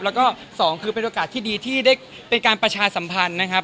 แล้วก็สองคือเป็นโอกาสที่ดีที่ได้เป็นการประชาสัมพันธ์นะครับ